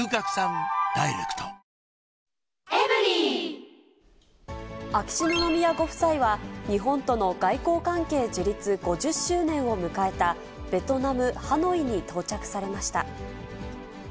俺がこの役だったのに秋篠宮ご夫妻は、日本との外交関係樹立５０周年を迎えた、ベトナム・ハノイに到着されました。